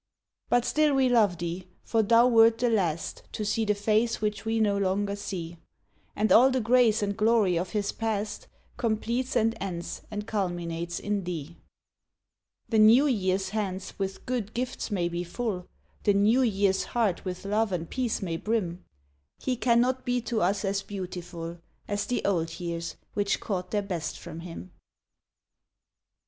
TWO YEARS l6l it still we love thee, for thou wert the last To see the face which we no longer see, [A id all the grace and glory of his past Completes and ends and culminates in thee. le New Year's hands with good gifts may be full, The New Year's heart with love and peace may brim, e cannot be to us as beautiful As the old years which caught their best from him.